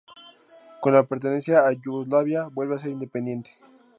Con la pertenencia a Yugoslavia vuelve a ser independiente.